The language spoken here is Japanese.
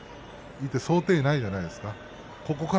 想定内じゃないですか。